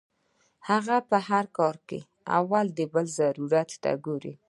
هغه پۀ هر کار کې اول د بل ضرورت ته ګوري -